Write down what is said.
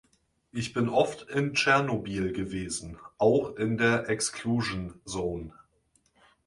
Ich bin oft in Tschernobyl gewesen, auch in der exclusion zone.